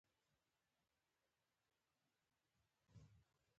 دا فورک لیفټ ډېر او دروند بار پورته کوي.